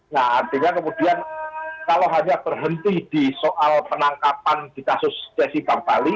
nah artinya kemudian kalau hanya berhenti di soal penangkapan di kasus psi bank bali